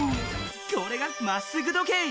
これが「まっすぐ時計」。